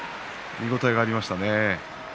見応えがありましたね。